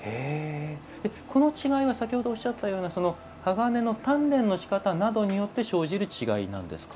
この違いは先ほどおっしゃったよう鋼の鍛練によって生じる違いなんですか。